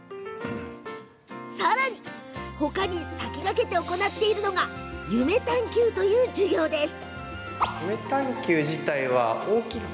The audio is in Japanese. さらにほかに先駆けて行っているのが夢探究という授業です。